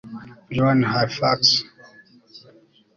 joan halifax